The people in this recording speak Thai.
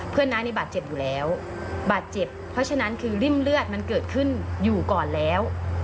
น้านี่บาดเจ็บอยู่แล้วบาดเจ็บเพราะฉะนั้นคือริ่มเลือดมันเกิดขึ้นอยู่ก่อนแล้ว